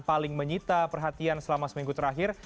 paling menyita perhatian selama seminggu terakhir